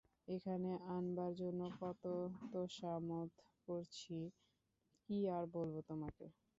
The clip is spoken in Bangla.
এখানে আনবার জন্য কত তোশামোদ করছি, কী আর বলব তোমাকে।